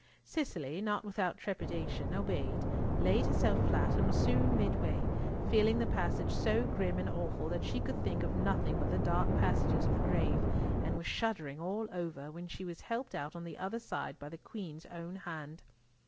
Cicely, not without trepidation, obeyed, laid herself flat, and was soon midway, feeling the passage so grim and awful, that she could think of nothing but the dark passages of the grave, and was shuddering all over, when she was helped out on the other side by the Queen's own hand.